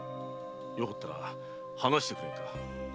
よかったら話してくれぬか？